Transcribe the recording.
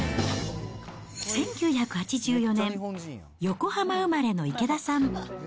１９８４年、横浜生まれの池田さん。